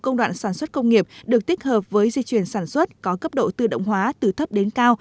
công đoạn sản xuất công nghiệp được tích hợp với di chuyển sản xuất có cấp độ tự động hóa từ thấp đến cao